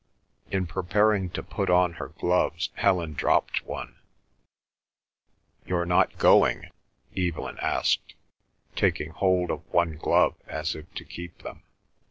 In preparing to put on her gloves, Helen dropped one. "You're not going?" Evelyn asked, taking hold of one glove as if to keep them.